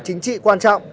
chính trị quan trọng